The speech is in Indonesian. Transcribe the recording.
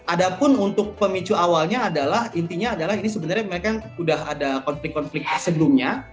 ada pun untuk pemicu awalnya adalah intinya adalah ini sebenarnya mereka sudah ada konflik konflik sebelumnya